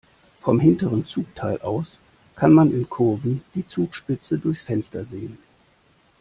Vom hinteren Zugteil aus kann man in Kurven die Zugspitze durchs Fenster sehen.